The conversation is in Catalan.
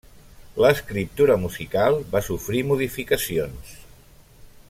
L'escriptura musical va sofrir modificacions.